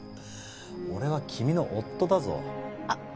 俺は君の夫だぞあっ